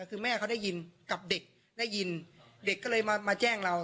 คือแม่เขาได้ยินกับเด็กได้ยินเด็กก็เลยมาแจ้งเรา